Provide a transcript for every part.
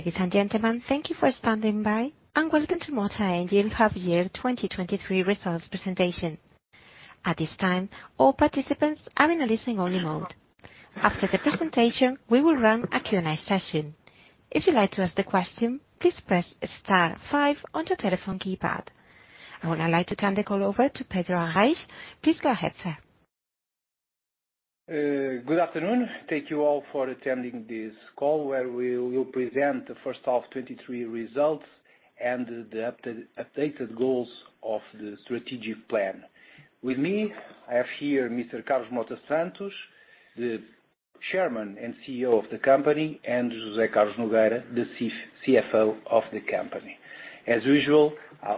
Ladies and gentlemen, thank you for standing by, and welcome to Mota-Engil half year 2023 results presentation. At this time, all participants are in a listen only mode. After the presentation, we will run a Q&A session. If you'd like to ask the question, please press star five on your telephone keypad. I would now like to turn the call over to Pedro Arrais. Please go ahead, sir. Good afternoon. Thank you all for attending this call, where we will present the first half 2023 results and the updated goals of the strategic plan. With me, I have here Mr. Carlos Mota Santos, the Chairman and CEO of the company, and José Carlos Nogueira, the CFO of the company. As usual,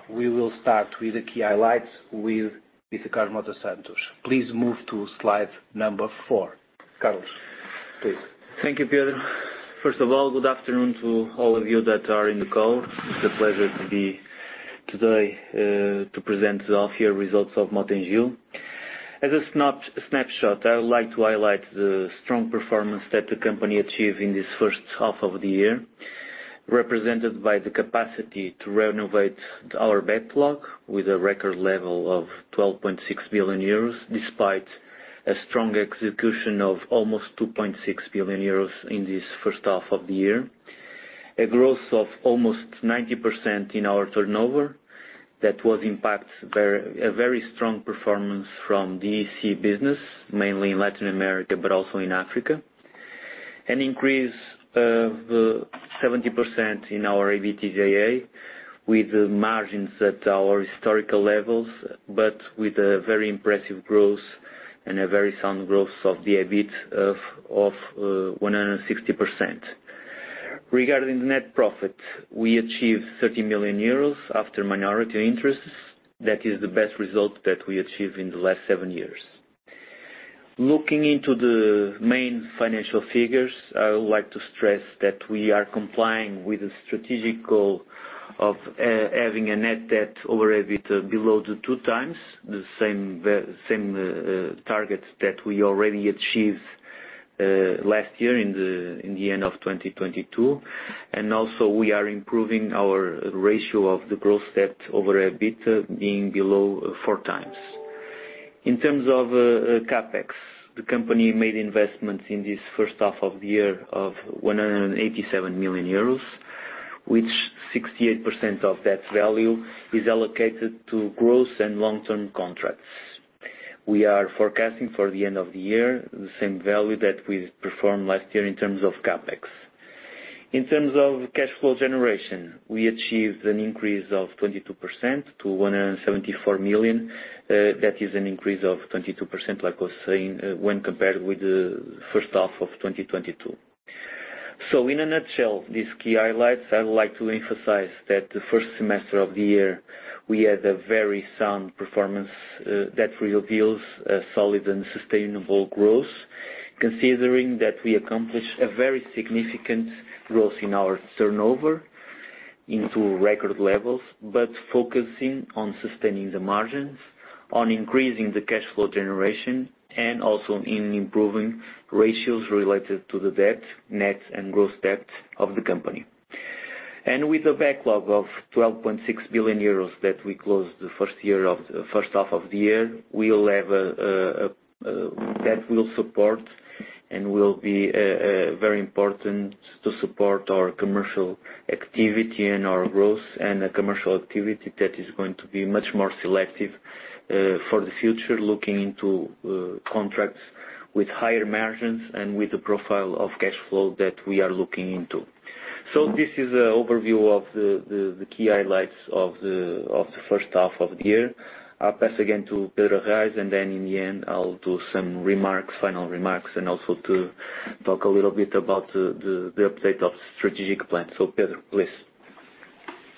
we will start with the key highlights with Mr. Carlos Mota Santos. Please move to slide number four. Carlos, please. Thank you, Pedro. First of all, good afternoon to all of you that are in the call. It's a pleasure to be today to present the half year results of Mota-Engil. As a snapshot, I would like to highlight the strong performance that the company achieved in this first half of the year, represented by the capacity to renovate our backlog with a record level of 12.6 billion euros, despite a strong execution of almost 2.6 billion euros in this first half of the year. A growth of almost 90% in our turnover, that was impact very a very strong performance from the EC business, mainly in Latin America, but also in Africa. An increase of 70% in our EBITDA, with margins at our historical levels, but with a very impressive growth and a very sound growth of the EBIT of 160%. Regarding the net profit, we achieved 30 million euros after minority interests. That is the best result that we achieved in the last seven years. Looking into the main financial figures, I would like to stress that we are complying with the strategic goal of having a net debt already below 2x, the same target that we already achieved last year in the end of 2022. And also, we are improving our ratio of the net debt over EBIT, being below 4x. In terms of CapEx, the company made investments in this first half of the year of 187 million euros, which 68% of that value is allocated to growth and long-term contracts. We are forecasting for the end of the year the same value that we performed last year in terms of CapEx. In terms of cash flow generation, we achieved an increase of 22% to 174 million. That is an increase of 22%, like I was saying, when compared with the first half of 2022. So in a nutshell, these key highlights, I would like to emphasize that the first semester of the year, we had a very sound performance that reveals a solid and sustainable growth. Considering that we accomplished a very significant growth in our turnover into record levels, but focusing on sustaining the margins, on increasing the cash flow generation, and also in improving ratios related to the debt, net and gross debt of the company. With a backlog of 12.6 billion euros that we closed the first half of the year, we will have that will support and will be very important to support our commercial activity and our growth, and a commercial activity that is going to be much more selective for the future, looking into contracts with higher margins and with the profile of cash flow that we are looking into. So this is an overview of the key highlights of the first half of the year. I'll pass again to Pedro Arrais, and then in the end, I'll do some remarks, final remarks, and also to talk a little bit about the update of strategic plan. So Pedro, please.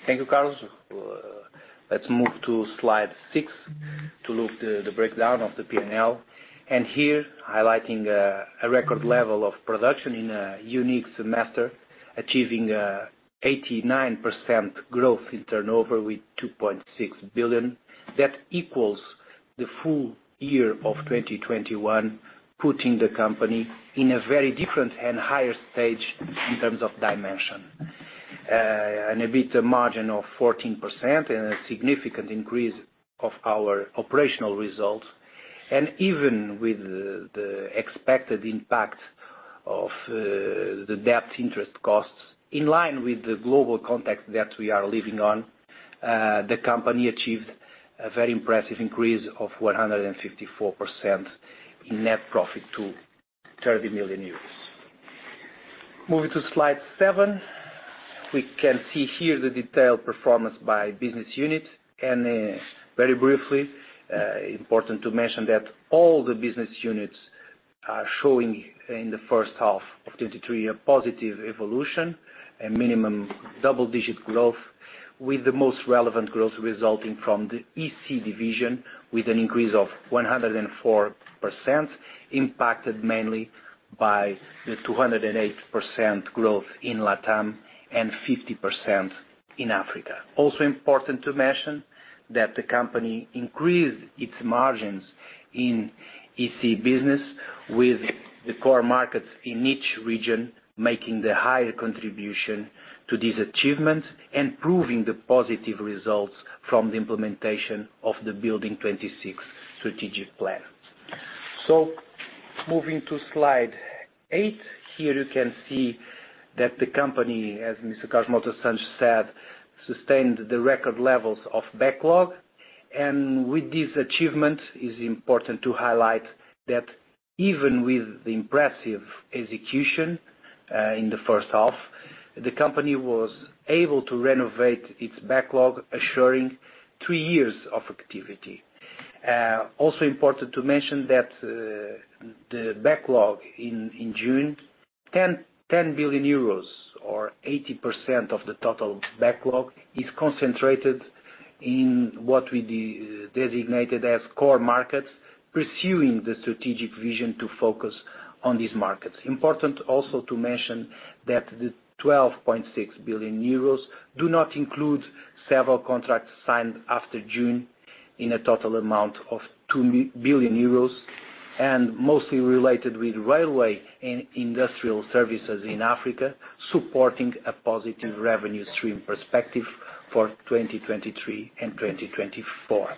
Thank you, Carlos. Let's move to slide six to look at the breakdown of the P&L. And here, highlighting a record level of production in a unique semester, achieving 89% growth in turnover with 2.6 billion. That equals the full year of 2021, putting the company in a very different and higher stage in terms of dimension. And an EBIT margin of 14% and a significant increase of our operational results. And even with the expected impact of the debt interest costs, in line with the global context that we are living on, the company achieved a very impressive increase of 154% in net profit to 30 million euros. Moving to slide seven, we can see here the detailed performance by business unit. Very briefly, important to mention that all the business units are showing in the first half of 2023, a positive evolution and minimum double-digit growth, with the most relevant growth resulting from the EC division, with an increase of 104%, impacted mainly by the 208% growth in Latam and 50% in Africa. Also important to mention that the company increased its margins in EC business with the core markets in each region, making the higher contribution to these achievements and proving the positive results from the implementation of the Building 26 strategic plan. So moving to slide 8, here you can see that the company, as Mr. Carlos Mota Santos said, sustained the record levels of backlog, and with this achievement, is important to highlight that even with the impressive execution in the first half, the company was able to renovate its backlog, assuring three years of activity. Also important to mention that the backlog in June, 10 billion euros, or 80% of the total backlog, is concentrated in what we designated as core markets, pursuing the strategic vision to focus on these markets. Important also to mention that the 12.6 billion euros do not include several contracts signed after June in a total amount of 2 billion euros, and mostly related with railway and industrial services in Africa, supporting a positive revenue stream perspective for 2023 and 2024.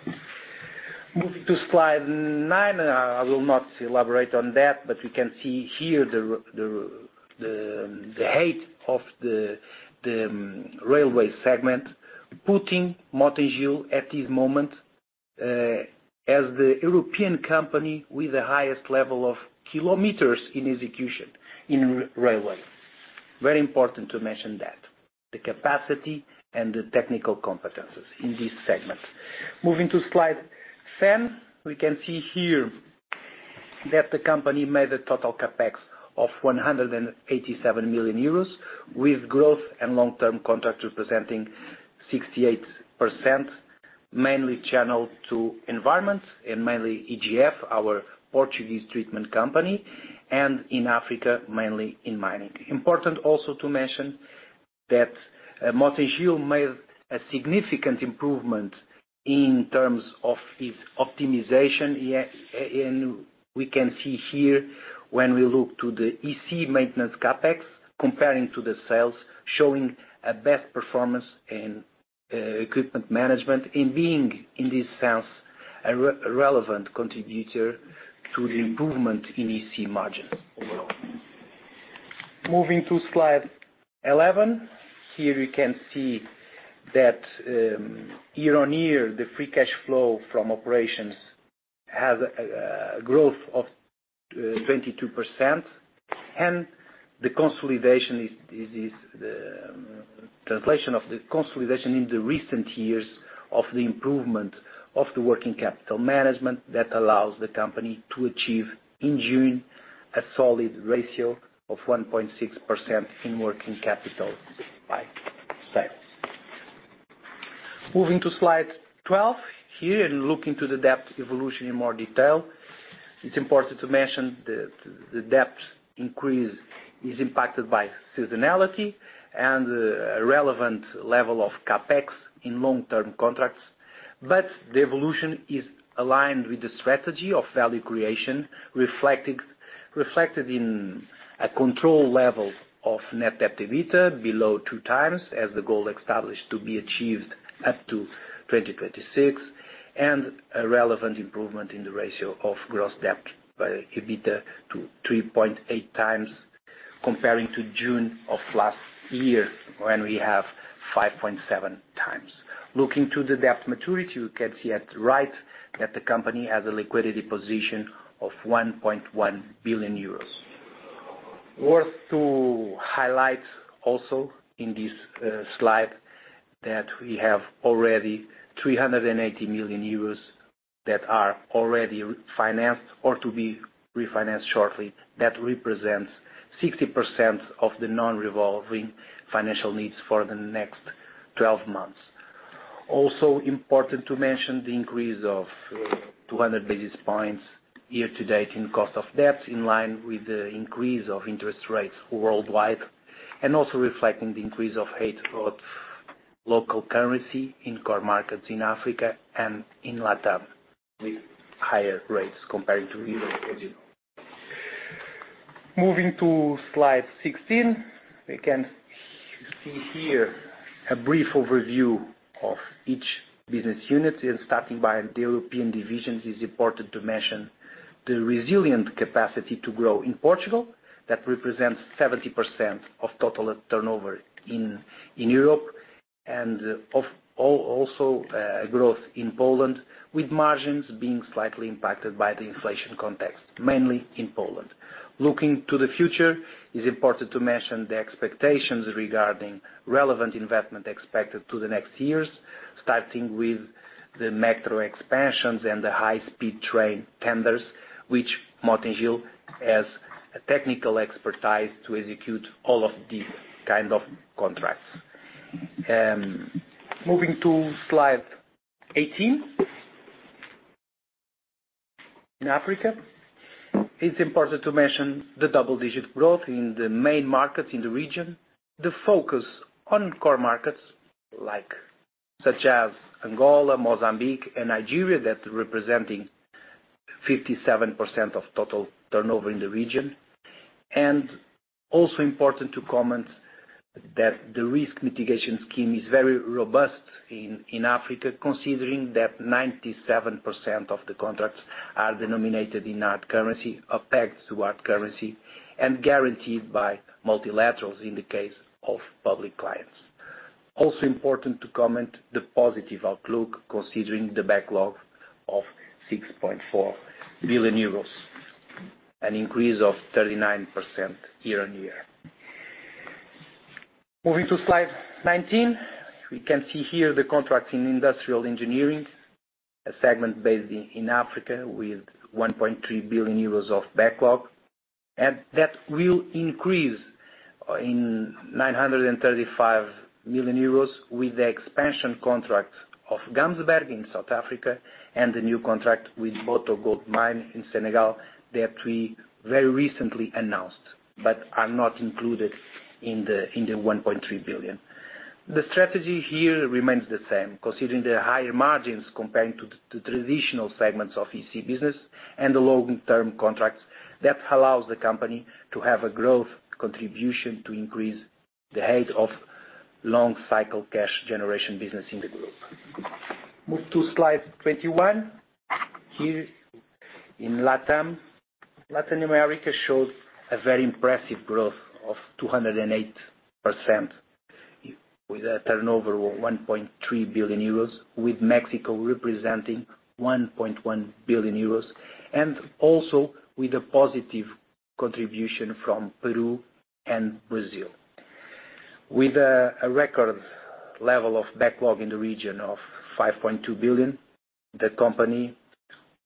Moving to slide nine, I will not elaborate on that, but we can see here the height of the railway segment, putting Mota-Engil at this moment as the European company with the highest level of kilometers in execution in railway. Very important to mention that the capacity and the technical competencies in this segment. Moving to slide 10, we can see here that the company made a total CapEx of 187 million euros, with growth and long-term contract representing 68%, mainly channeled to environment and mainly EGF, our Portuguese treatment company, and in Africa, mainly in mining. Important also to mention that, Mota-Engil made a significant improvement in terms of its optimization, yeah, and we can see here when we look to the EC maintenance CapEx, comparing to the sales, showing a best performance in, equipment management and being, in this sense, a relevant contributor to the improvement in EC margins overall. Moving to slide 11, here you can see that, year-on-year, the free cash flow from operations has a growth of 22%, and the consolidation is the translation of the consolidation in the recent years of the improvement of the working capital management that allows the company to achieve, in June, a solid ratio of 1.6% in working capital by sales. Moving to slide 12, here, and looking to the debt evolution in more detail, it's important to mention the debt increase is impacted by seasonality and relevant level of CapEx in long-term contracts. But the evolution is aligned with the strategy of value creation, reflected in a control level of net debt/EBITDA below 2x, as the goal established to be achieved up to 2026, and a relevant improvement in the ratio of gross debt to EBITDA to 3.8x, comparing to June of last year, when we have 5.7x. Looking to the debt maturity, we can see at right, that the company has a liquidity position of 1.1 billion euros. Worth to highlight also in ahis slide, that we have already 380 million euros that are already financed or to be refinanced shortly. That represents 60% of the non-revolving financial needs for the next 12 months. Also important to mention the increase of two hundred basis points year to date in cost of debt, in line with the increase of interest rates worldwide, and also reflecting the increase of rate of local currency in core markets in Africa and in Latam, with higher rates compared to euro, as you know. Moving to slide 16, we can see here a brief overview of each business unit, and starting by the European divisions, it's important to mention the resilient capacity to grow in Portugal. That represents 70% of total turnover in Europe, and also growth in Poland, with margins being slightly impacted by the inflation context, mainly in Poland. Looking to the future, it's important to mention the expectations regarding relevant investment expected to the next years, starting with the metro expansions and the high-speed train tenders, which Mota-Engil has a technical expertise to execute all of these kind of contracts. Moving to slide 18. In Africa. It's important to mention the double-digit growth in the main markets in the region. The focus on core markets like, such as Angola, Mozambique, and Nigeria, that representing 57% of total turnover in the region. Also important to comment that the risk mitigation scheme is very robust in Africa, considering that 97% of the contracts are denominated in hard currency or pegged to hard currency, and guaranteed by multilaterals in the case of public clients. Also important to comment, the positive outlook, considering the backlog of 6.4 billion euros, an increase of 39% year-on-year. Moving to slide 19, we can see here the contract in industrial engineering, a segment based in Africa, with 1.3 billion euros of backlog. That will increase in 935 million euros with the expansion contract of Gamsberg in South Africa, and the new contract with Mako gold mine in Senegal, that we very recently announced, but are not included in the 1.3 billion. The strategy here remains the same, considering the higher margins comparing to the traditional segments of EC business and the long-term contracts, that allows the company to have a growth contribution to increase the height of long cycle cash generation business in the group. Move to slide 21. Here in Latam, Latin America shows a very impressive growth of 208%, with a turnover of 1.3 billion euros, with Mexico representing 1.1 billion euros, and also with a positive contribution from Peru and Brazil. With a record level of backlog in the region of 5.2 billion, the company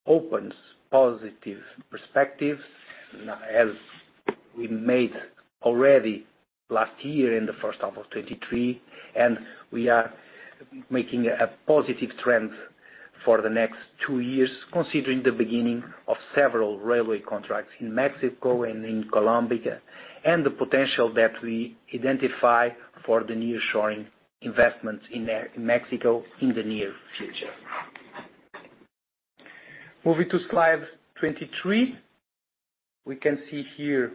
opens positive perspectives, as we made already last year in the first half of 2023, and we are making a positive trend for the next two years, considering the beginning of several railway contracts in Mexico and in Colombia, and the potential that we identify for the nearshoring investments in in Mexico in the near future. Moving to slide 23, we can see here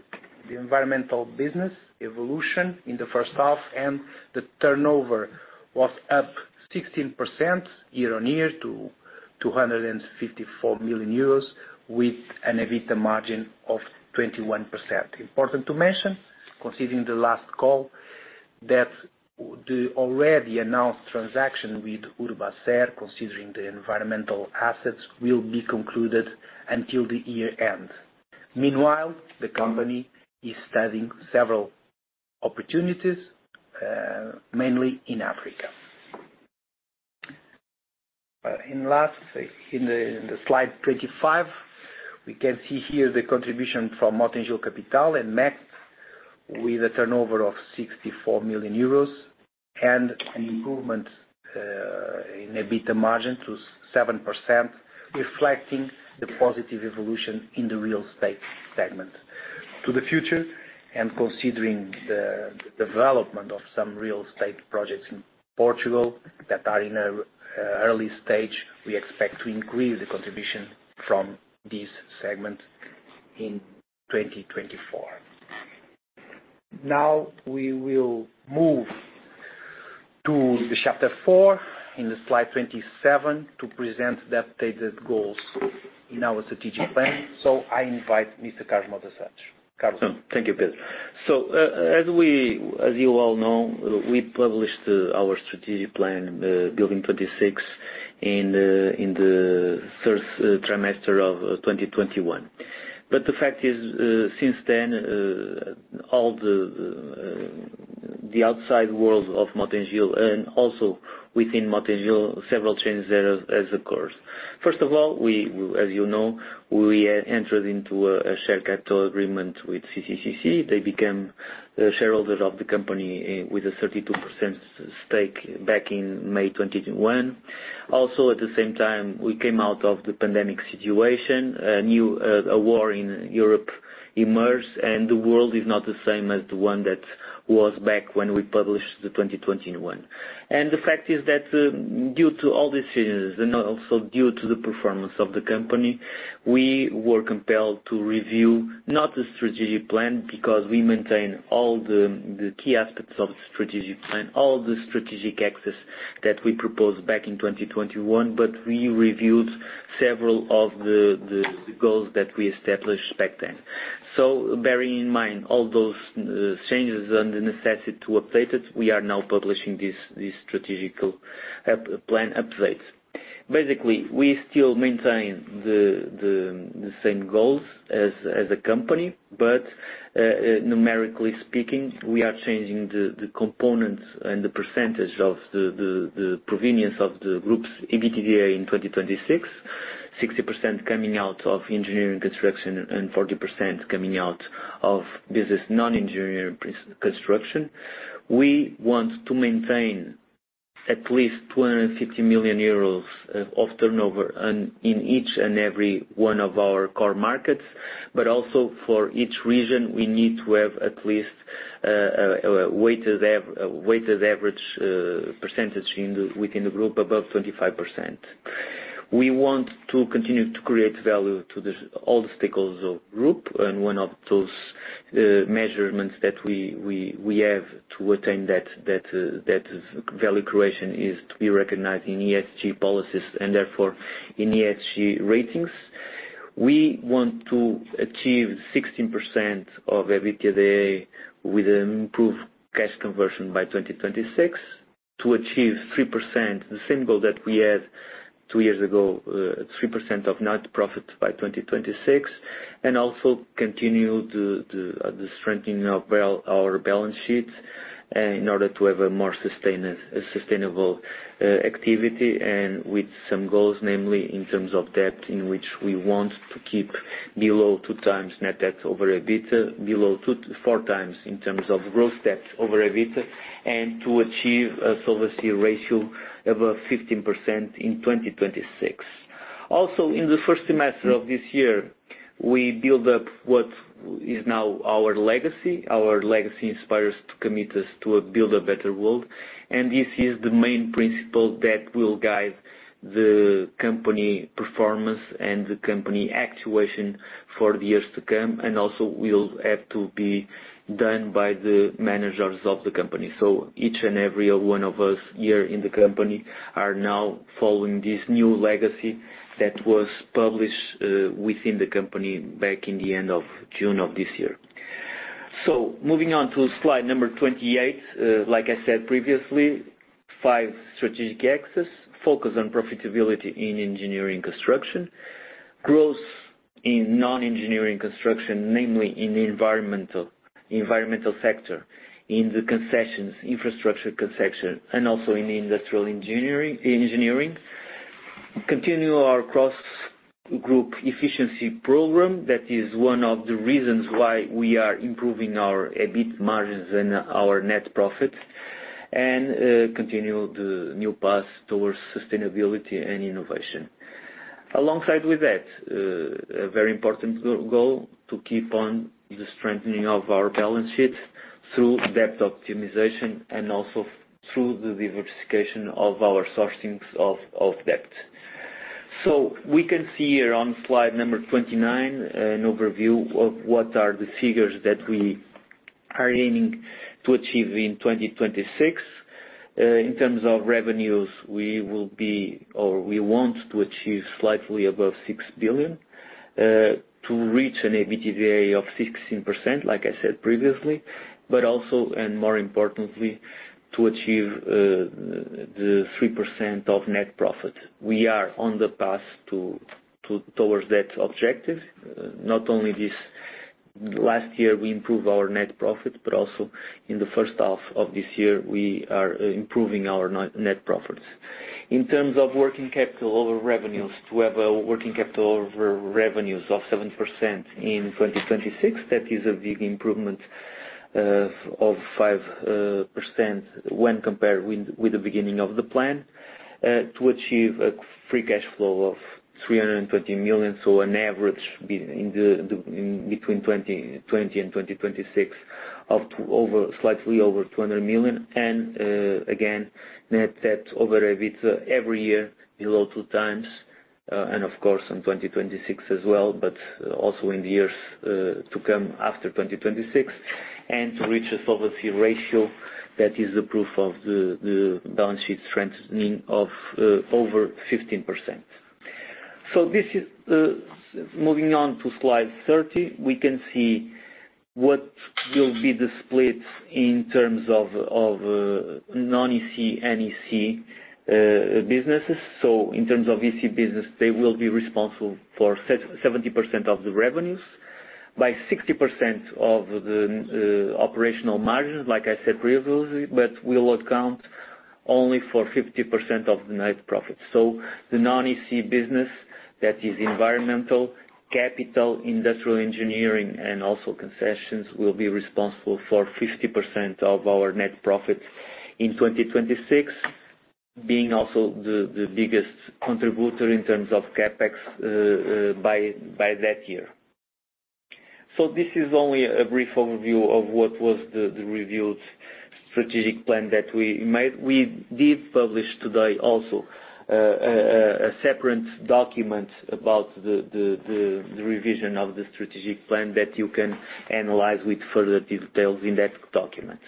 the environmental business evolution in the first half, and the turnover was up 16% year-on-year to 254 million euros, with an EBITDA margin of 21%. Important to mention, considering the last call, that the already announced transaction with Urbaser, considering the environmental assets, will be concluded until the year-end. Meanwhile, the company is studying several opportunities, mainly in Africa. In the slide 25, we can see here the contribution from Mota-Engil Capital and MEC, with a turnover of 64 million euros and an improvement in EBITDA margin to 7%, reflecting the positive evolution in the real estate segment. To the future, and considering the development of some real estate projects in Portugal that are in an early stage, we expect to increase the contribution from this segment in 2024. Now, we will move to the chapter four in the slide 27, to present the updated goals in our strategic plan. So I invite Mr. Carlos Mota Santos. Carlos? Thank you, Pedro. So, as you all know, we published our strategic plan, Building 26, in the first quarter of 2021. But the fact is, since then, all the outside world of Mota-Engil and also within Mota-Engil, several changes there has occurred. First of all, as you know, we entered into a share capital agreement with CCCC. They became shareholders of the company with a 32% stake back in May 2021. Also, at the same time, we came out of the pandemic situation, a new war in Europe emerged, and the world is not the same as the one that was back when we published the 2021. The fact is that, due to all these changes, and also due to the performance of the company, we were compelled to review not the strategic plan, because we maintain all the key aspects of the strategic plan, all the strategic axes that we proposed back in 2021, but we reviewed several of the goals that we established back then. So bearing in mind all those changes and the necessity to update it, we are now publishing this strategic plan update. Basically, we still maintain the same goals as a company, but numerically speaking, we are changing the components and the percentage of the provenance of the group's EBITDA in 2026, 60% coming out of engineering construction and 40% coming out of business non-engineering construction. We want to maintain-... At least 250 million euros of turnover and in each and every one of our core markets, but also for each region, we need to have at least a weighted average percentage within the group above 25%. We want to continue to create value to all the stakeholders of the group, and one of those measurements that we have to attain, that is value creation, is to be recognized in ESG policies and therefore in ESG ratings. We want to achieve 16% of EBITDA with improved cash conversion by 2026, to achieve 3%, the same goal that we had two years ago, 3% of net profit by 2026, and also continue to the strengthening of our balance sheets, in order to have a more sustainable activity and with some goals, namely in terms of debt, in which we want to keep below 2x net debt over EBITDA, below four times in terms of gross debt over EBITDA, and to achieve a solvency ratio above 15% in 2026. Also, in the first semester of this year, we build up what is now our legacy. Our legacy inspires to commit us to build a better world, and this is the main principle that will guide the company performance and the company actuation for the years to come, and also will have to be done by the managers of the company. So each and every one of us here in the company are now following this new legacy that was published within the company back in the end of June of this year. So moving on to slide number 28, like I said previously, five strategic axes, focus on profitability in engineering construction, growth in non-engineering construction, namely in the environmental, environmental sector, in the concessions, infrastructure concessions, and also in the industrial engineering, engineering. Continue our cross-group efficiency program. That is one of the reasons why we are improving our EBIT margins and our net profit, and continue the new path towards sustainability and innovation. Alongside with that, a very important goal, to keep on the strengthening of our balance sheet through debt optimization and also through the diversification of our sourcings of debt. So we can see here on slide number 29, an overview of what are the figures that we are aiming to achieve in 2026. In terms of revenues, we will be, or we want to achieve slightly above 6 billion, to reach an EBITDA of 16%, like I said previously, but also, and more importantly, to achieve the 3% of net profit. We are on the path towards that objective. Not only this last year we improved our net profit, but also in the first half of this year, we are improving our net profits. In terms of working capital over revenues, to have a working capital over revenues of 7% in 2026, that is a big improvement of 5% when compared with the beginning of the plan. To achieve a free cash flow of 320 million, so an average between 2020 and 2026 of slightly over 200 million. Again, net debt over EBITDA every year below 2x, and of course, in 2026 as well, but also in the years to come after 2026, and to reach a solvency ratio that is the proof of the balance sheet strengthening of over 15%. So this is. Moving on to slide 30, we can see what will be the split in terms of non-EC, NEC businesses. So in terms of EC business, they will be responsible for 70% of the revenues, by 60% of the operational margins, like I said previously, but will account only for 50% of the net profit. So the non-EC business, that is environmental, capital, industrial engineering, and also concessions, will be responsible for 50% of our net profit in 2026, being also the biggest contributor in terms of CapEx by that year. So this is only a brief overview of what was the revealed strategic plan that we made. We did publish today also a separate document about the revision of the strategic plan that you can analyze with further details in that document.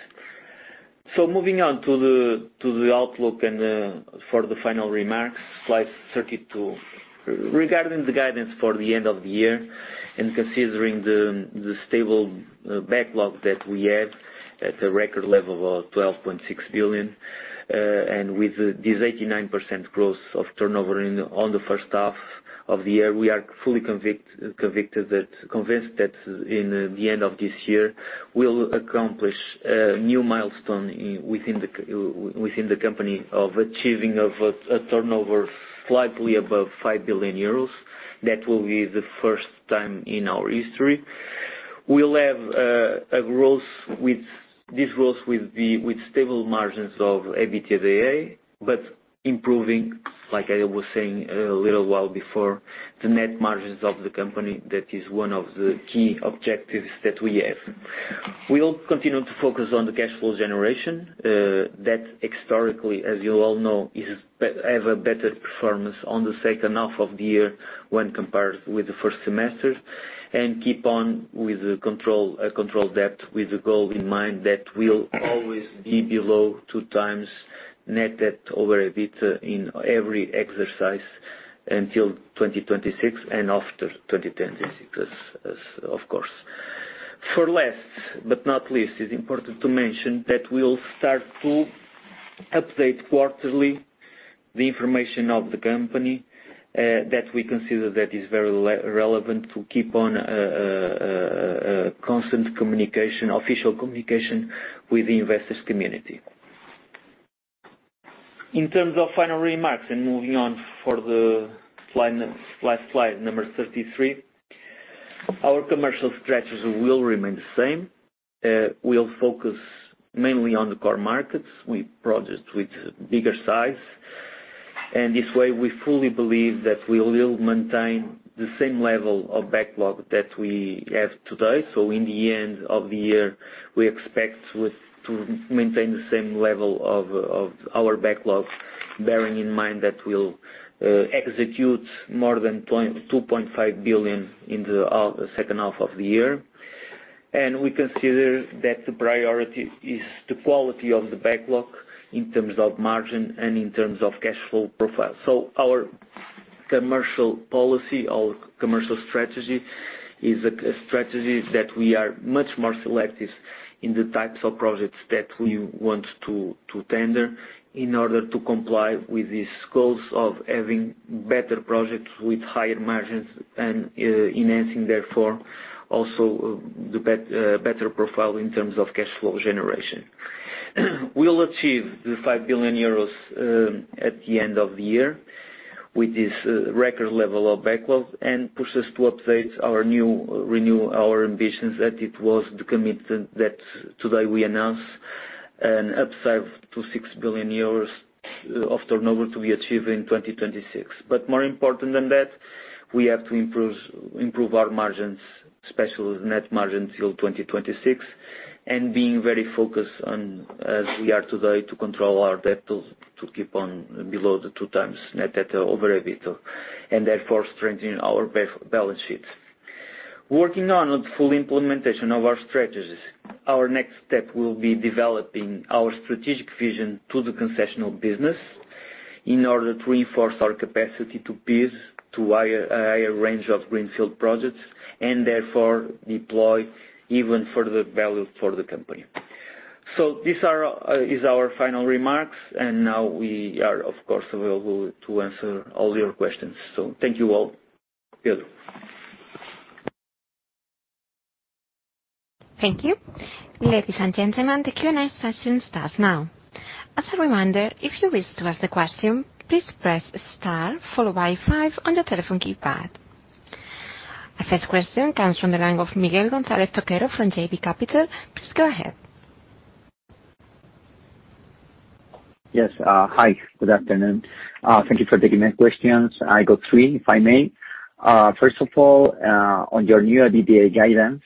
So moving on to the outlook and for the final remarks, slide 32. Regarding the guidance for the end of the year and considering the stable backlog that we have at a record level of 12.6 billion, and with this 89% growth of turnover in, on the first half of the year, we are fully convinced that in the end of this year, we will accomplish a new milestone within the company of achieving a turnover slightly above 5 billion euros. That will be the first time in our history.... We'll have a growth with this growth with stable margins of EBITDA, but improving, like I was saying a little while before, the net margins of the company, that is one of the key objectives that we have. We will continue to focus on the cash flow generation that historically, as you all know, has a better performance on the second half of the year when compared with the first semester, and keep on with the control debt, with the goal in mind that we'll always be below 2x net debt over EBITDA in every exercise until 2026 and after 2026, of course. For last but not least, it's important to mention that we will start to update quarterly the information of the company that we consider that is very relevant to keep on constant communication, official communication with the investors community. In terms of final remarks, and moving on for the slide, last slide, number 33. Our commercial strategies will remain the same. We'll focus mainly on the core markets with projects with bigger size. And this way, we fully believe that we will maintain the same level of backlog that we have today. So in the end of the year, we expect to maintain the same level of our backlog, bearing in mind that we'll execute more than 2.5 billion in the second half of the year. And we consider that the priority is the quality of the backlog in terms of margin and in terms of cash flow profile. So our commercial policy, our commercial strategy, is a strategy that we are much more selective in the types of projects that we want to tender in order to comply with these goals of having better projects with higher margins and enhancing, therefore, also the better profile in terms of cash flow generation. We will achieve 5 billion euros at the end of the year with this record level of backlog, and pushes to update our new, renew our ambitions, that it was the commitment that today we announced an upside to 6 billion euros of turnover to be achieved in 2026. But more important than that, we have to improve, improve our margins, especially net margin till 2026, and being very focused on, as we are today, to control our debt to keep on below the 2x net debt over EBITDA, and therefore strengthening our balance sheet. Working on the full implementation of our strategies, our next step will be developing our strategic vision to the concession business in order to reinforce our capacity to access a higher range of greenfield projects, and therefore deploy even further value for the company. So these are our final remarks, and now we are, of course, available to answer all your questions. So thank you all. Pedro? Thank you. Ladies and gentlemen, the Q&A session starts now. As a reminder, if you wish to ask a question, please press star followed by five on your telephone keypad. Our first question comes from the line of Miguel González Toquero from JB Capital. Please go ahead. Yes, hi, good afternoon. Thank you for taking my questions. I got three, if I may. First of all, on your new EBITDA guidance,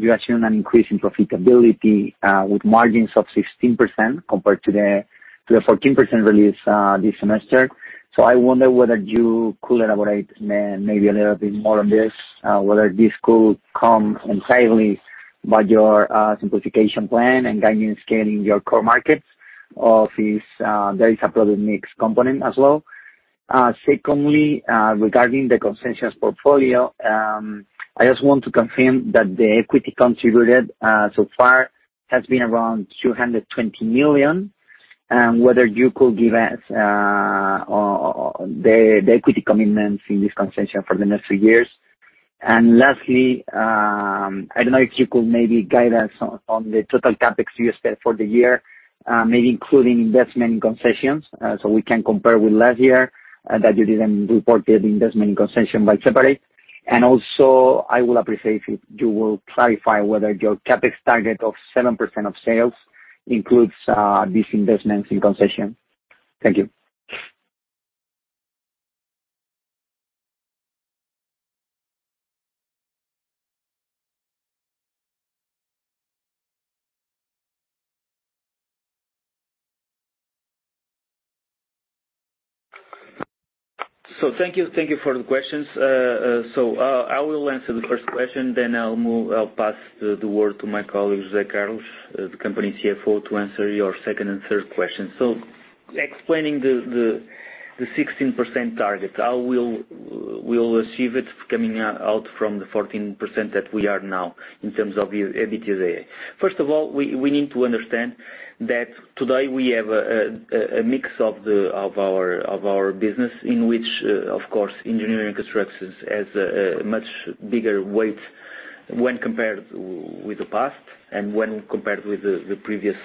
you assume an increase in profitability, with margins of 16% compared to the 14% release, this semester. So I wonder whether you could elaborate maybe a little bit more on this, whether this could come entirely by your simplification plan and guidance scaling your core markets, or if there is a product mix component as well. Secondly, regarding the concessions portfolio, I just want to confirm that the equity contributed so far has been around 220 million, and whether you could give us the equity commitments in this concession for the next few years. Lastly, I don't know if you could maybe guide us on the total CapEx you expect for the year, maybe including investment in concessions, so we can compare with last year, that you didn't report the investment in concession but separate. Also, I will appreciate if you will clarify whether your CapEx target of 7% of sales includes these investments in concession. Thank you. So thank you. Thank you for the questions. I will answer the first question, then I'll pass the word to my colleague, José Carlos, the company CFO, to answer your second and third question. So explaining the 16% target, how we'll achieve it coming out from the 14% that we are now in terms of the EBITDA. First of all, we need to understand that today we have a mix of our business, in which, of course, engineering constructions has a much bigger weight when compared with the past and when compared with the previous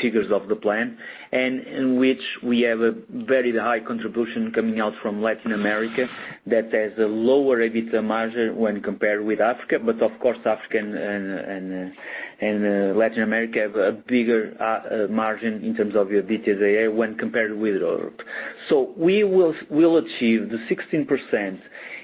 figures of the plan, and in which we have a very high contribution coming out from Latin America, that has a lower EBITDA margin when compared with Africa. But of course, Africa and Latin America have a bigger margin in terms of EBITDA when compared with Europe. So we will achieve the 16%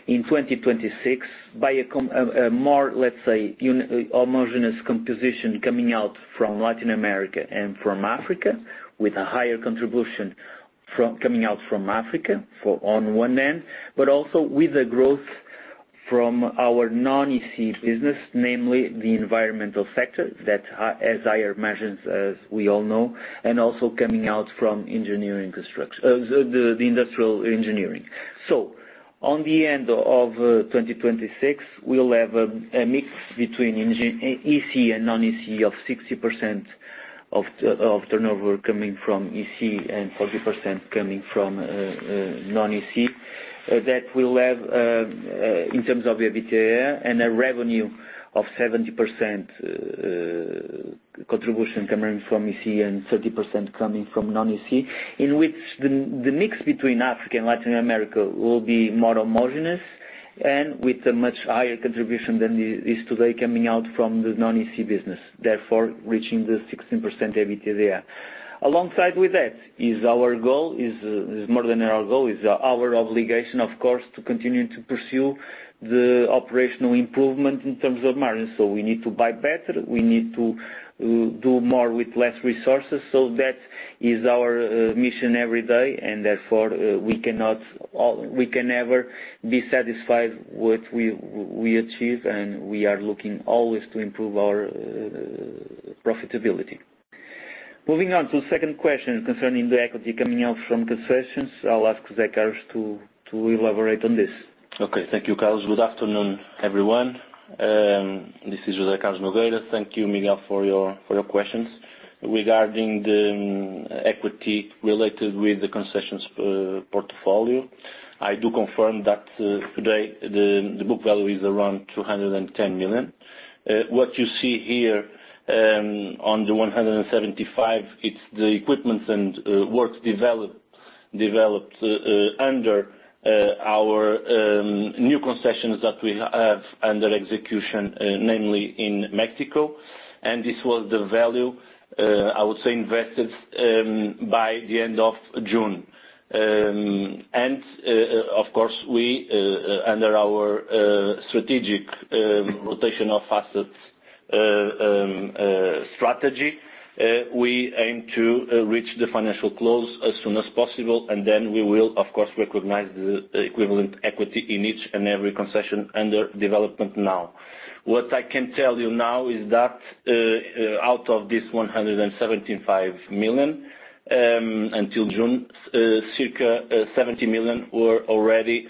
in 2026 by a more, let's say, uniform homogeneous composition coming out from Latin America and from Africa, with a higher contribution coming out from Africa on one end, but also with a growth from our non-EC business, namely the environmental sector, that has higher margins, as we all know, and also coming out from engineering construction, the industrial engineering. So on the end of 2026, we'll have a mix between EC and non-EC of 60% of the turnover coming from EC and 40% coming from non-EC. That will have, in terms of EBITDA and a revenue of 70% contribution coming from EC and 30% coming from non-EC. In which the mix between Africa and Latin America will be more homogeneous and with a much higher contribution than it is today, coming out from the non-EC business, therefore reaching the 16% EBITDA. Alongside with that, is our goal, is more than our goal, is our obligation, of course, to continue to pursue the operational improvement in terms of margin. So we need to buy better, we need to do more with less resources. So that is our mission every day, and therefore, we cannot, we can never be satisfied what we achieve, and we are looking always to improve our profitability. Moving on to the second question concerning the equity coming out from concessions, I'll ask José Carlos to elaborate on this. Okay, thank you, Carlos. Good afternoon, everyone. This is José Carlos Nogueira. Thank you, Miguel, for your questions. Regarding the equity related with the concessions portfolio, I do confirm that today, the book value is around 210 million. What you see here on the 175 million, it's the equipment and works developed under our new concessions that we have under execution, namely in Mexico. And this was the value, I would say, invested by the end of June. And of course, we under our strategic rotational assets strategy, we aim to reach the financial close as soon as possible, and then we will, of course, recognize the equivalent equity in each and every concession under development now. What I can tell you now is that, out of this 175 million, until June, circa 70 million were already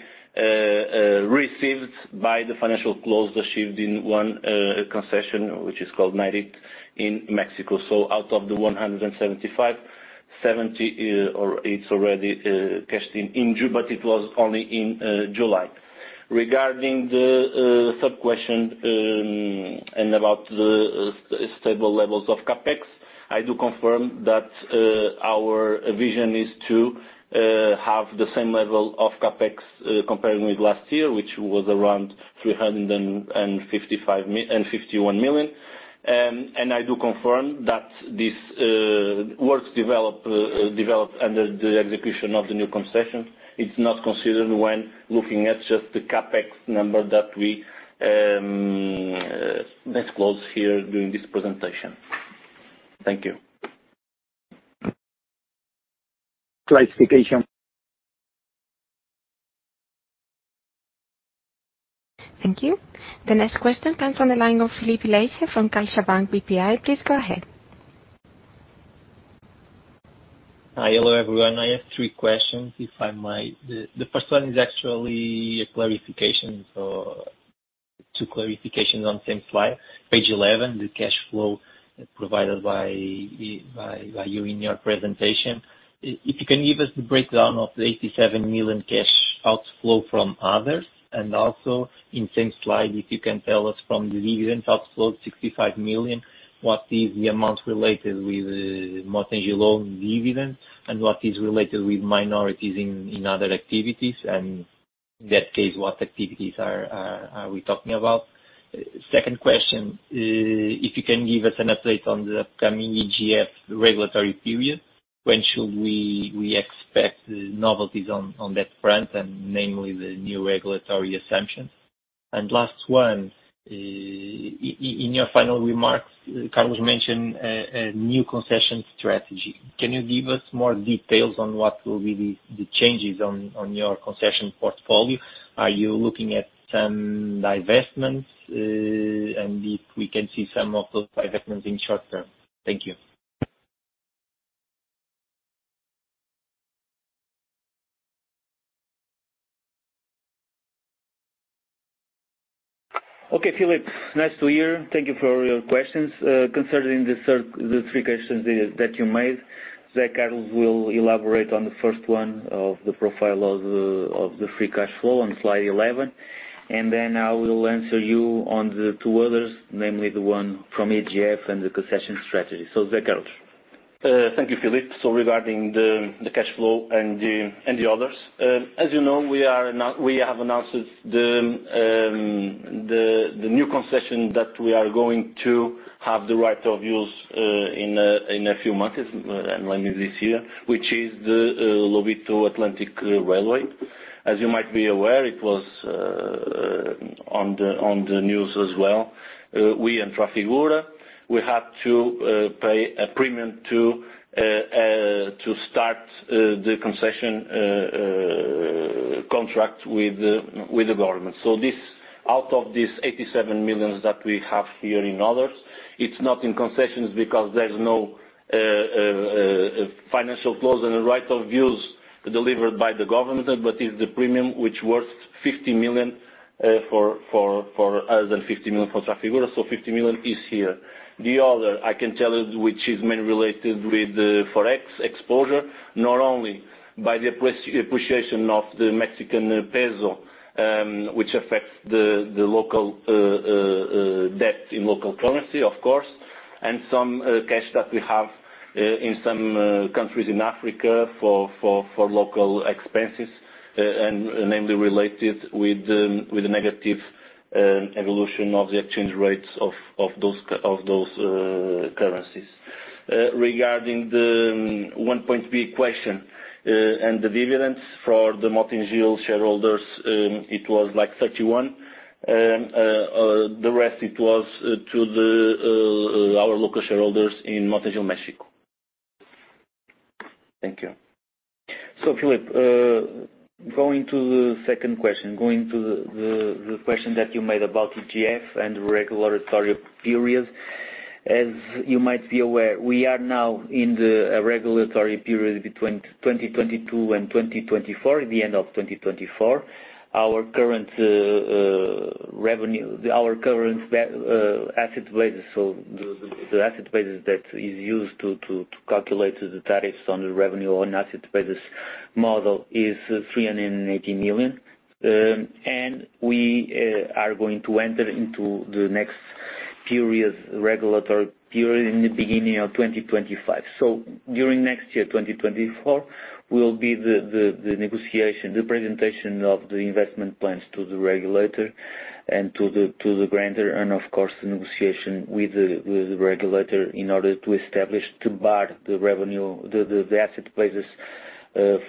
received by the financial close achieved in one concession, which is called Nayarit in Mexico. So out of the 175, 70 is, or it's already cashed in, in June, but it was only in July. Regarding the sub-question, and about the stable levels of CapEx, I do confirm that our vision is to have the same level of CapEx, comparing with last year, which was around 351 million. I do confirm that this works developed under the execution of the new concession. It's not considered when looking at just the CapEx number that we disclose here during this presentation. Thank you. Clarification. Thank you. The next question comes on the line of Filipe Leite from CaixaBank/BPI. Please go ahead. Hi, hello, everyone. I have three questions, if I might. The first one is actually a clarification, so two clarifications on the same slide. Page 11, the cash flow provided by you in your presentation. If you can give us the breakdown of the 87 million cash outflow from others, and also in same slide, if you can tell us from the dividend outflow, 65 million, what is the amount related with Mota-Engil loan dividend? And what is related with minorities in other activities, and in that case, what activities are we talking about? Second question, if you can give us an update on the upcoming EGF regulatory period, when should we expect novelties on that front, and namely, the new regulatory assumptions? And last one, in your final remarks, Carlos mentioned a new concession strategy. Can you give us more details on what will be the changes on your concession portfolio? Are you looking at some divestments, and if we can see some of those divestments in short term? Thank you. Okay, Filipe, nice to hear. Thank you for all your questions. Concerning the third, the 3 questions that you made, José Carlos will elaborate on the first one of the profile of the free cash flow on slide 11. ...And then I will answer you on the two others, namely the one from EGF and the concession strategy. So, Zachary? Thank you, Filipe. So regarding the cash flow and the others, as you know, we have announced the new concession that we are going to have the right of use in a few months and maybe this year, which is the Lobito Atlantic Railway. As you might be aware, it was on the news as well. We and Trafigura have to pay a premium to start the concession contract with the government. So this, out of these 87 million that we have here in others, it's not in concessions because there's no financial close and the right of use delivered by the government, but is the premium which worth 50 million for us, and 50 million for Trafigura, so 50 million is here. The other I can tell is, which is mainly related with the Forex exposure, not only by the appreciation of the Mexican peso, which affects the local debt in local currency, of course, and some cash that we have in some countries in Africa for local expenses, and mainly related with the negative evolution of the exchange rates of those currencies. Regarding the one point B question and the dividends for the Mota-Engil shareholders, it was like 31. The rest, it was to our local shareholders in Mota-Engil Mexico. Thank you. So, Philip, going to the second question, going to the question that you made about EGF and regulatory period. As you might be aware, we are now in a regulatory period between 2022 and 2024, the end of 2024. Our current revenue, our current asset basis, so the asset basis that is used to calculate the tariffs on the revenue on asset basis model is 380 million. And we are going to enter into the next period, regulatory period, in the beginning of 2025. So during next year, 2024, will be the negotiation, the presentation of the investment plans to the regulator and to the grantor, and of course, the negotiation with the regulator in order to establish, to bar the revenue, the asset bases,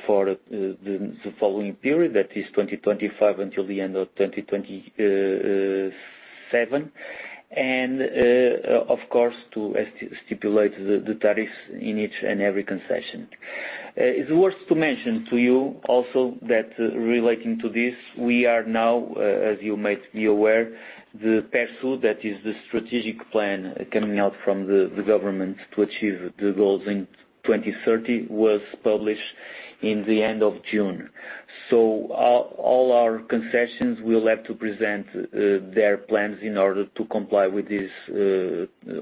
for the following period, that is 2025 until the end of 2027. And, of course, to stipulate the tariffs in each and every concession. It's worth to mention to you also that relating to this, we are now, as you might be aware, the PERSU that is the strategic plan coming out from the government to achieve the goals in 2030, was published in the end of June. So all our concessions will have to present their plans in order to comply with these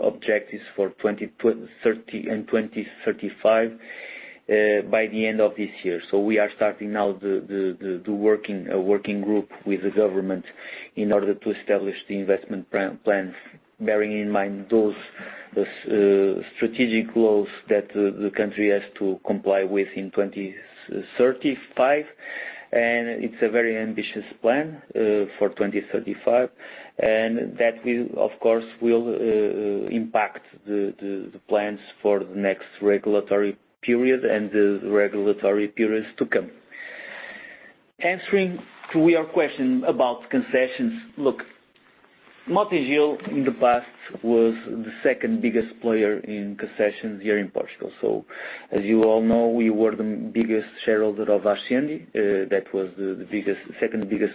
objectives for 2030 and 2035 by the end of this year. So we are starting now a working group with the government in order to establish the investment plan bearing in mind those strategic goals that the country has to comply with in 2035. And it's a very ambitious plan for 2035, and that will, of course, impact the plans for the next regulatory period and the regulatory periods to come. Answering to your question about concessions, look, Mota-Engil, in the past, was the second biggest player in concessions here in Portugal. So as you all know, we were the biggest shareholder of Ascendi. That was the biggest, second biggest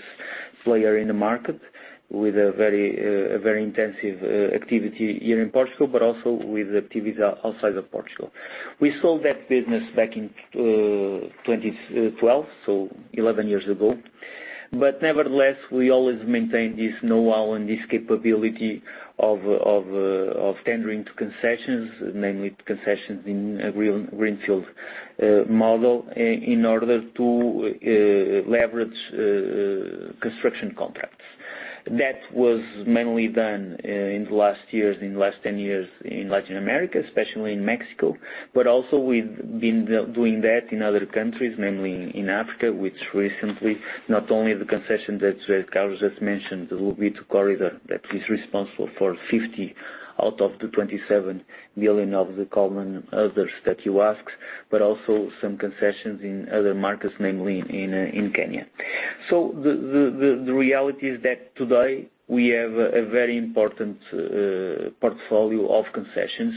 player in the market, with a very intensive activity here in Portugal, but also with activities outside of Portugal. We sold that business back in 2012, so 11 years ago. But nevertheless, we always maintain this know-how and this capability of tendering to concessions, namely concessions in greenfield model, in order to leverage construction contracts. That was mainly done in the last years, in the last 10 years in Latin America, especially in Mexico, but also we've been doing that in other countries, mainly in Africa, which recently, not only the concession that Carlos just mentioned, Lobito Corridor, that is responsible for 50 out of the 27 billion of the common others that you asked, but also some concessions in other markets, namely in Kenya. So the reality is that today we have a very important portfolio of concessions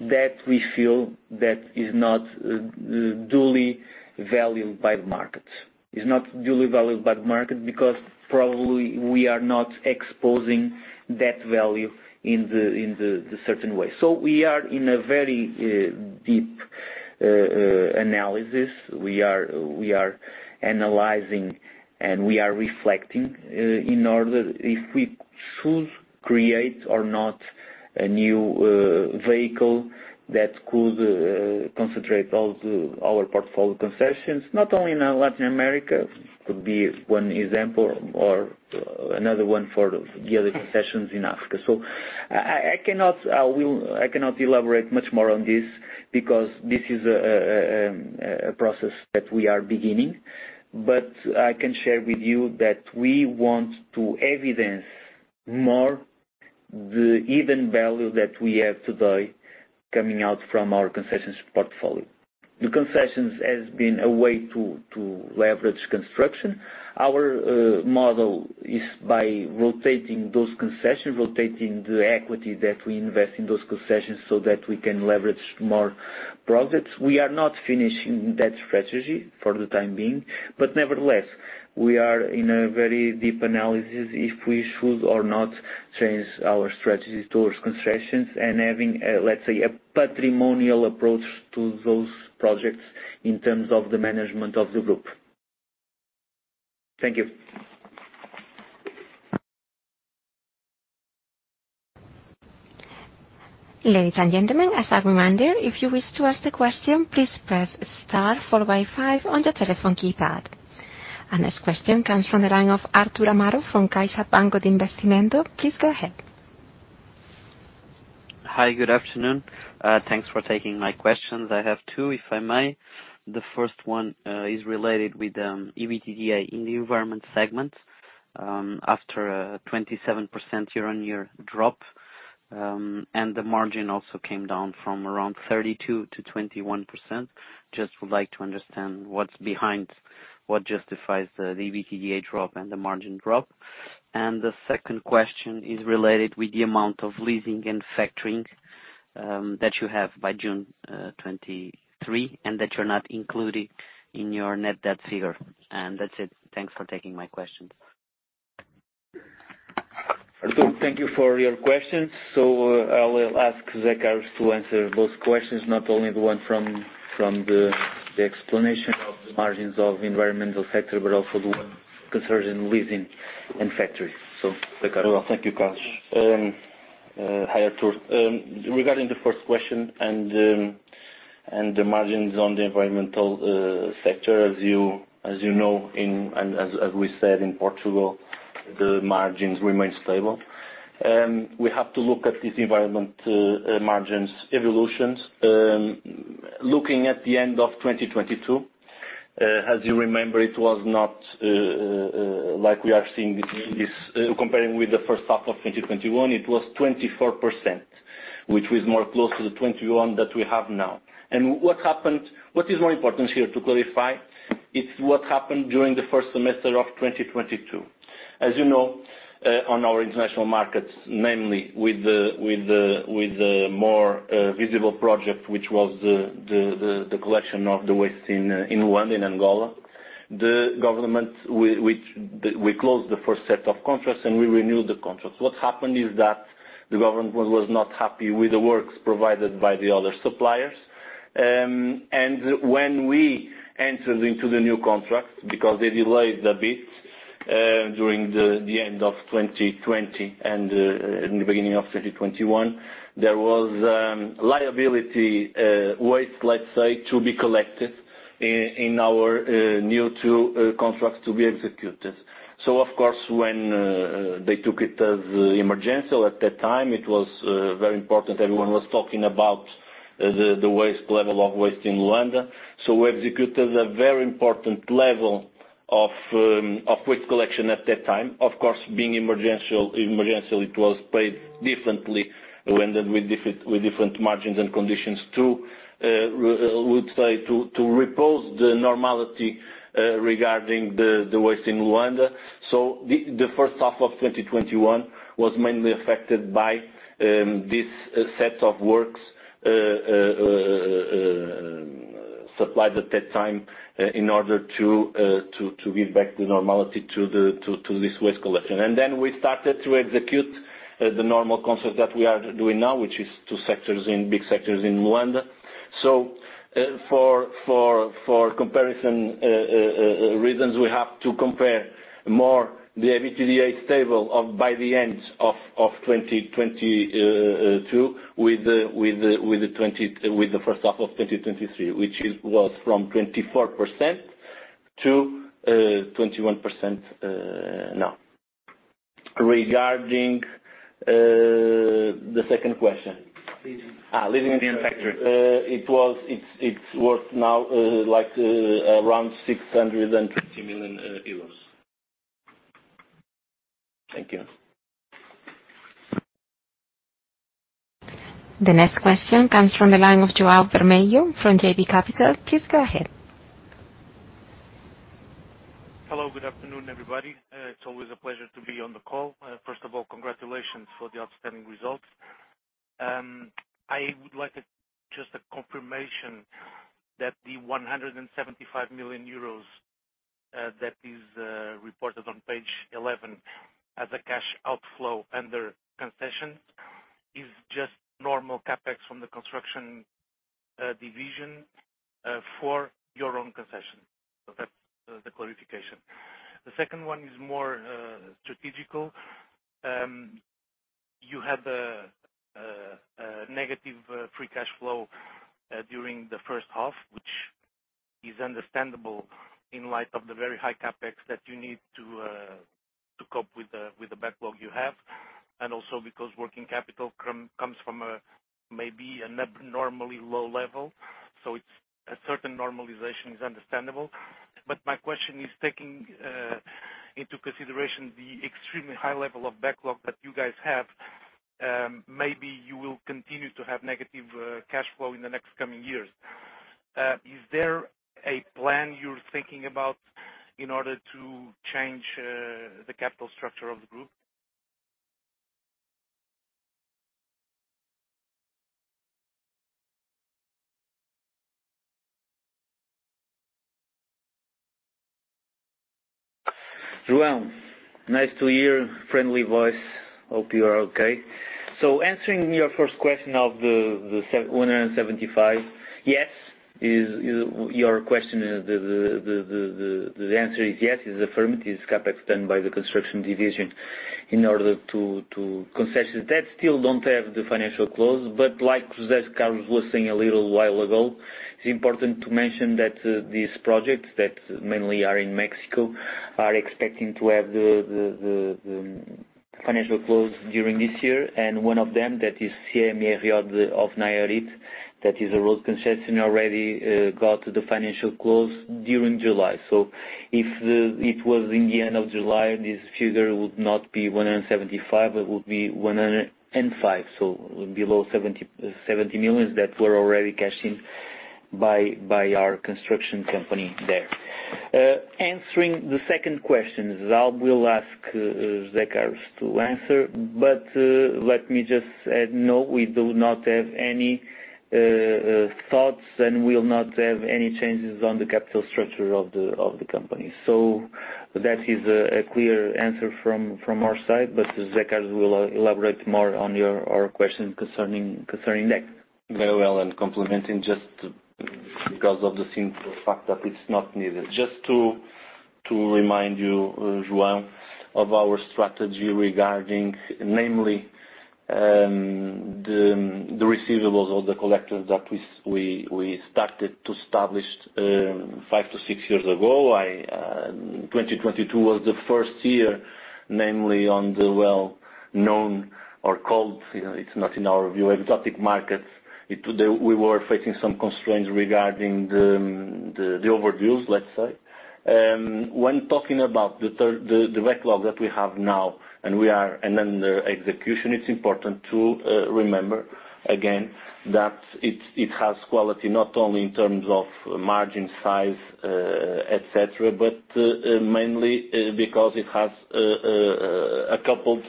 that we feel that is not duly valued by the market. It's not duly valued by the market because probably we are not exposing that value in the certain way. So we are in a very deep analysis. We are analyzing, and we are reflecting in order if we should create or not a new vehicle that could concentrate all our portfolio concessions, not only in Latin America, could be one example or another one for the other concessions in Africa. So I cannot elaborate much more on this because this is a process that we are beginning. I can share with you that we want to evidence more the even value that we have today coming out from our concessions portfolio. The concessions has been a way to, to leverage construction. Our model is by rotating those concessions, rotating the equity that we invest in those concessions so that we can leverage more projects. We are not finishing that strategy for the time being, but nevertheless, we are in a very deep analysis if we should or not change our strategy towards concessions and having, let's say, a patrimonial approach to those projects in terms of the management of the group. Thank you. Ladies and gentlemen, as a reminder, if you wish to ask the question, please press star followed by five on your telephone keypad. Our next question comes from the line of Arthur Amaro from Caixa Banco de Investimento. Please go ahead. Hi, good afternoon. Thanks for taking my questions. I have two, if I may. The first one is related with EBITDA in the environment segment. After a 27% year-on-year drop, and the margin also came down from around 32%-21%. Just would like to understand what's behind, what justifies the EBITDA drop and the margin drop. The second question is related with the amount of leasing and factoring that you have by June 2023, and that you're not including in your net debt figure. That's it. Thanks for taking my questions. Thank you for your questions. So I will ask José Carlos to answer those questions, not only the one from the explanation of the margins of the environmental sector, but also the one concerned in leasing and factory. So, José Carlos. Well, thank you, Carlos. Hi, Arthur. Regarding the first question and the margins on the environmental sector, as you know, and as we said in Portugal, the margins remain stable. We have to look at this environment margins evolutions. Looking at the end of 2022, as you remember, it was not like we are seeing this comparing with the first half of 2021, it was 24%, which was more close to the 21% that we have now. And what happened what is more important here to clarify, it's what happened during the first semester of 2022. As you know, on our international markets, mainly with the more visible project, which was the collection of the waste in Luanda, in Angola, the government we closed the first set of contracts, and we renewed the contracts. What happened is that the government was not happy with the works provided by the other suppliers. And when we entered into the new contract, because they delayed a bit during the end of 2020 and in the beginning of 2021, there was liability waste, let's say, to be collected in our new two contracts to be executed. So of course, when they took it as emergency at that time, it was very important. Everyone was talking about the waste level of waste in Luanda. So we executed a very important level of waste collection at that time. Of course, being emergency, it was paid differently, and then with different margins and conditions to, I would say, to restore the normality regarding the waste in Luanda. So the first half of 2021 was mainly affected by this set of works supplied at that time in order to give back the normality to this waste collection. And then we started to execute the normal concept that we are doing now, which is two big sectors in Luanda. So, for comparison reasons, we have to compare more the EBITDA stable of by the end of 2022 with the first half of 2023, which was from 24%-21% now. Regarding the second question. Leasing. Ah, leasing. And factory. It's worth now, like, around 650 million euros. Thank you. The next question comes from the line of João Vermelho from JP Capital. Please go ahead. Hello, good afternoon, everybody. It's always a pleasure to be on the call. First of all, congratulations for the outstanding results. I would like just a confirmation that the 175 million euros that is reported on page 11 as a cash outflow under concession is just normal CapEx from the construction division for your own concession. So that's the clarification. The second one is more strategic. You had a negative free cash flow during the first half, which is understandable in light of the very high CapEx that you need to cope with the backlog you have, and also because working capital comes from a maybe an abnormally low level, so it's a certain normalization is understandable. But my question is taking into consideration the extremely high level of backlog that you guys have, maybe you will continue to have negative cash flow in the next coming years. Is there a plan you're thinking about in order to change the capital structure of the group? João, nice to hear friendly voice. Hope you are okay. So answering your first question of the 175, yes. Your question is the answer is yes, is affirmative, is CapEx done by the construction division in order to concession. That still don't have the financial close, but like Carlos was saying a little while ago, it's important to mention that these projects that mainly are in Mexico are expecting to have the financial close during this year. And one of them, that is CME de Nayarit, that is a road concession, already got the financial close during July. So if it was in the end of July, this figure would not be 175 million, it would be 105 million, so below 70 million that were already cashed in by our construction company there. Answering the second question, I will ask José Carlos to answer, but let me just add, no, we do not have any thoughts, and we will not have any changes on the capital structure of the company. So that is a clear answer from our side, but Josè Carlos will elaborate more on your question concerning that. Very well, and complimenting just because of the simple fact that it's not needed. Just to remind you, João, of our strategy regarding namely, the receivables or the collectors that we started to establish, five to six years ago. I, 2022 was the first year, namely on the well-known or called, you know, it's not in our view, exotic markets. It. We were facing some constraints regarding the overviews, let's say. When talking about the backlog that we have now and under execution, it's important to remember, again, that it has quality, not only in terms of margin, size, et cetera, but mainly because it has a coupled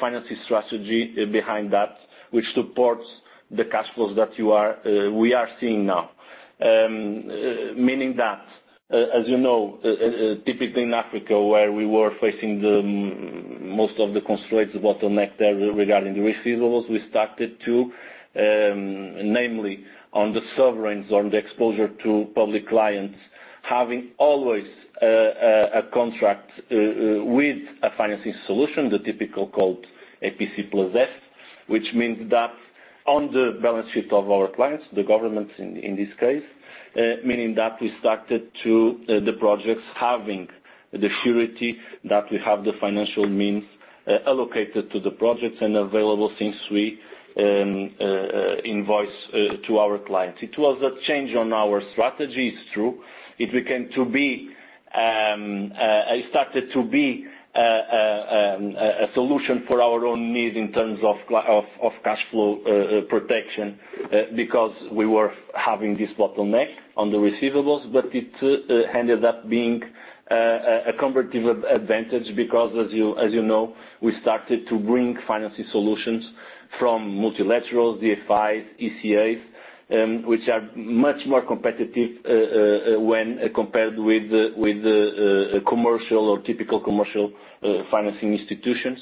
financing strategy behind that, which supports the cash flows that we are seeing now. Meaning that, as you know, typically in Africa, where we were facing the most of the constraints, the bottleneck there regarding the receivables, we started to, namely on the sovereigns, on the exposure to public clients, having always a contract with a financing solution, typically called EPC+F. Which means that on the balance sheet of our clients, the governments in this case, meaning that we started the projects having the surety that we have the financial means allocated to the projects and available since we invoice to our clients. It was a change on our strategy, is true. It became to be it started to be a solution for our own needs in terms of cash flow protection because we were having this bottleneck on the receivables. But it ended up being a competitive advantage, because as you know, we started to bring financing solutions from multilaterals, DFIs, ECAs, which are much more competitive when compared with the commercial or typical commercial financing institutions.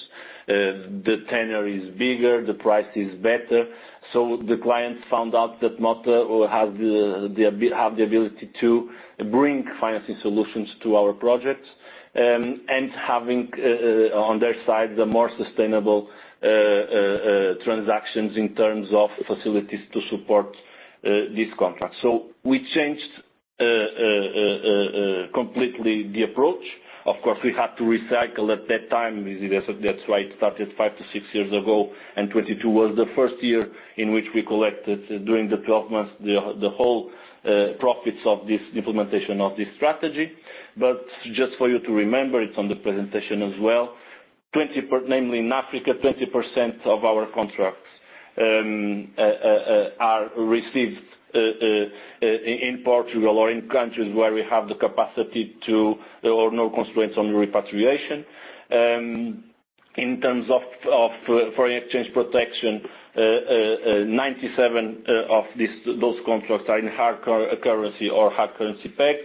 The tenor is bigger, the price is better, so the clients found out that not have the ability to bring financing solutions to our projects, and having on their side, the more sustainable transactions in terms of facilities to support these contracts. So we changed completely the approach. Of course, we had to recycle at that time. That's why it started five-six years ago, and 2022 was the first year in which we collected during the 12 months, the whole profits of this implementation of this strategy. But just for you to remember, it's on the presentation as well, namely in Africa, 20% of our contracts are received in Portugal or in countries where we have the capacity to... or no constraints on repatriation. In terms of foreign exchange protection, 97% of these contracts are in hard currency or hard currency pegged.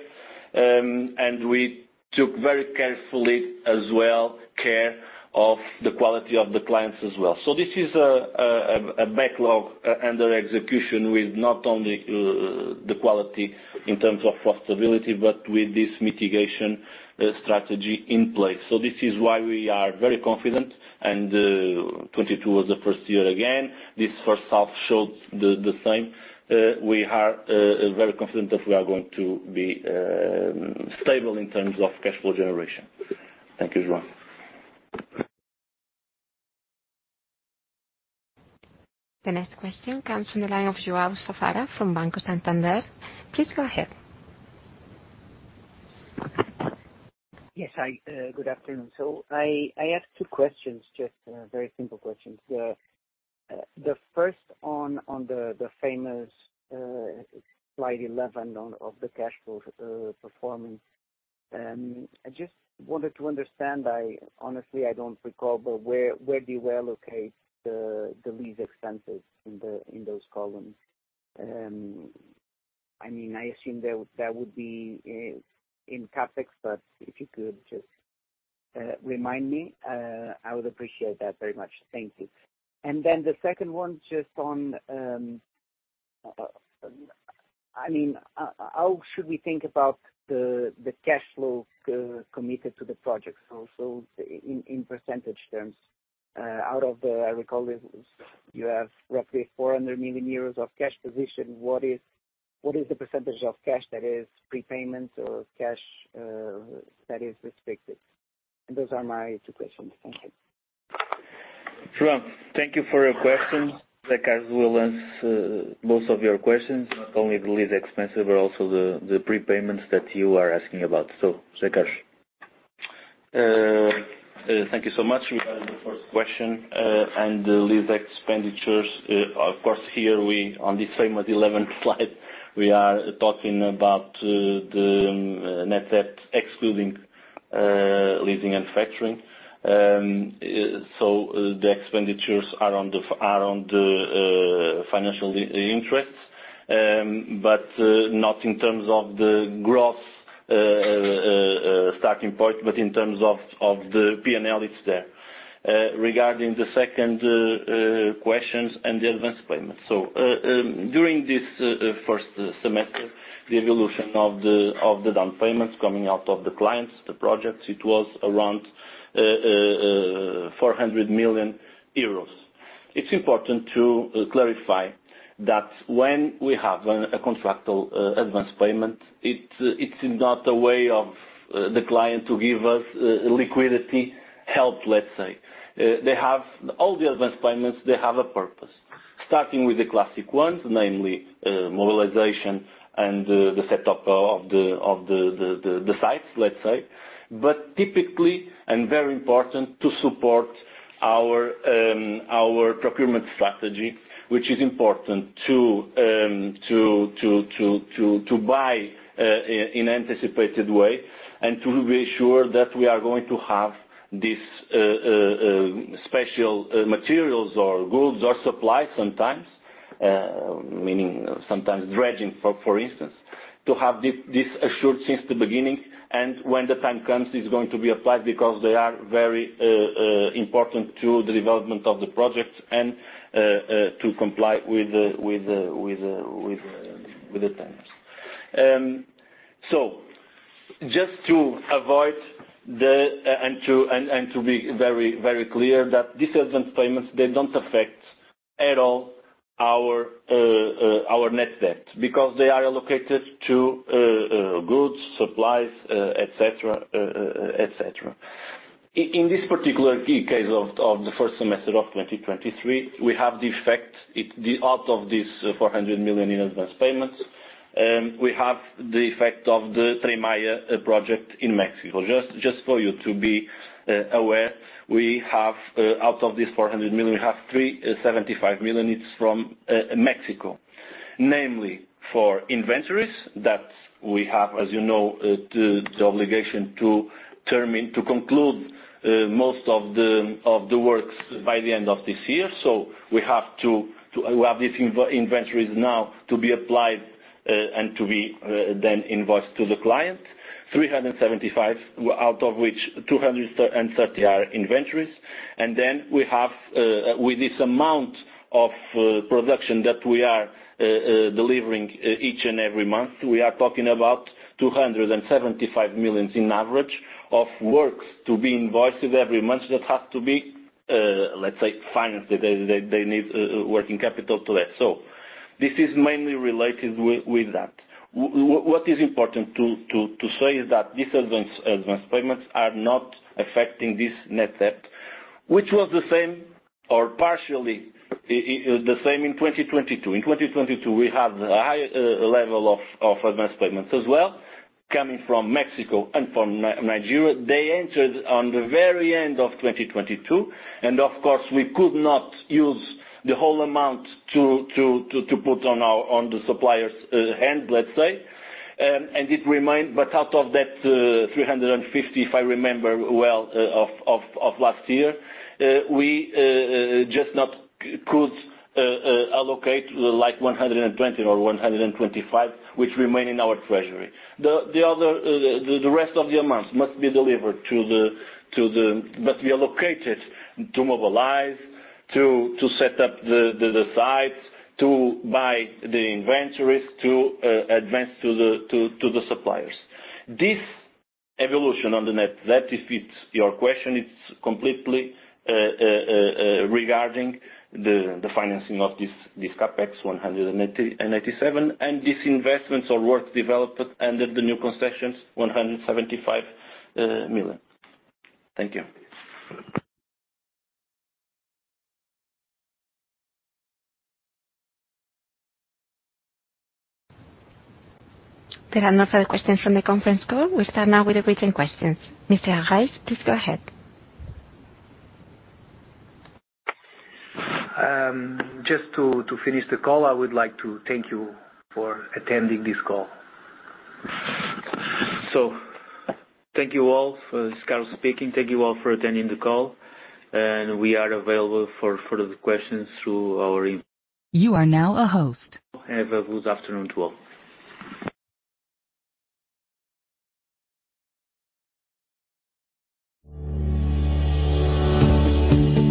And we took very carefully as well, care of the quality of the clients as well. So this is a backlog under execution with not only the quality in terms of profitability, but with this mitigation strategy in place. So this is why we are very confident, and 2022 was the first year again, this first half shows the same. We are very confident that we are going to be stable in terms of cash flow generation. Thank you, João. The next question comes from the line of João Safara from Banco Santander. Please go ahead. Yes, hi, good afternoon. So I ask two questions, just, very simple questions. The first on the famous slide 11 of the cash flow performance. I just wanted to understand. I honestly don't recall, but where do you allocate the lease expenses in those columns? I mean, I assume that would be in CapEx, but if you could just remind me, I would appreciate that very much. Thank you. And then the second one, just on, I mean, how should we think about the cash flow committed to the project, also in percentage terms? Out of the... I recall, you have roughly 400 million euros of cash position. What is, what is the percentage of cash that is prepayments or cash, that is restricted? Those are my two questions. Thank you. João, thank you for your question. Ricardo will answer most of your questions, not only the lease expenses, but also the prepayments that you are asking about. So, Ricardo. Thank you so much. Regarding the first question and the lease expenditures, of course, here we on the same as 11th slide, we are talking about the net debt, excluding leasing and factoring. So the expenditures are on the financial interests, but not in terms of the gross starting point, but in terms of the PNL, it's there. Regarding the second question and the advanced payment. So, during this first semester, the evolution of the down payments coming out of the clients, the projects, it was around 400 million euros. It's important to clarify that when we have a contractual advance payment, it's not a way of the client to give us liquidity help, let's say. They have all the advanced payments, they have a purpose, starting with the classic ones, namely, mobilization and the setup of the sites, let's say. But typically, and very important to support our procurement strategy, which is important to buy in anticipated way, and to reassure that we are going to have this special materials or goods or supplies sometimes, meaning sometimes dredging, for instance, to have this assured since the beginning, and when the time comes, it's going to be applied because they are very important to the development of the project and to comply with the terms. So just to avoid the... and to be very, very clear that these advanced payments, they don't affect at all our net debt, because they are allocated to goods, supplies, et cetera, et cetera. In this particular case of the first semester of 2023, we have the effect of the out of this 400 million in advanced payments, we have the effect of the Tren Maya project in Mexico. Just for you to be aware, we have out of this 400 million, we have 375 million is from Mexico. Namely, for inventories that we have, as you know, the obligation to conclude most of the works by the end of this year. So we have to we have these inventories now to be applied and to be then invoiced to the client. 375, out of which 230 are inventories. Then we have, with this amount of production that we are delivering each and every month, we are talking about 275 million on average of works to be invoiced every month. That has to be, let's say, financed. They need working capital to that. So this is mainly related with that. What is important to say is that these advance payments are not affecting this net debt, which was the same or partially the same in 2022. In 2022, we had a high level of advance payments as well, coming from Mexico and from Nigeria. They entered on the very end of 2022, and of course, we could not use the whole amount to put on our, on the suppliers', hand, let's say. And it remained, but out of that, 350, if I remember well, of last year, we just not could allocate like 120 or 125, which remain in our treasury. The other, the rest of the amounts must be delivered to the must be allocated to mobilize, to set up the sites, to buy the inventories, to advance to the suppliers. This evolution on the net, that if it's your question, it's completely regarding the financing of this CapEx 197 million and these investments or work developed under the new concessions, 175 million. Thank you. There are no further questions from the conference call. We start now with the written questions. Mr. Arrais, please go ahead. Just to finish the call, I would like to thank you for attending this call. Thank you all. This is Carlos speaking. Thank you all for attending the call, and we are available for further questions through our- You are now a host. Have a good afternoon to all.